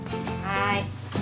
はい。